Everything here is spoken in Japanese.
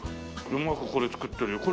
うまくこれ作ってるよ。